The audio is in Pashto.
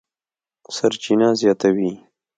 سرچینه زیاتوي،